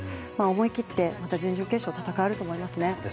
思い切ってまた準々決勝戦えると思いますね。